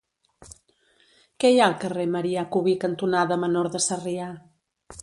Què hi ha al carrer Marià Cubí cantonada Menor de Sarrià?